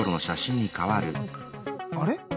あれ？